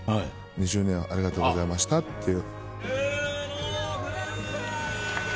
２０年ありがとうございましたっていう。